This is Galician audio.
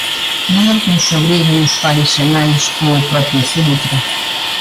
Non é que os obriguen os pais e nais ou o propio centro.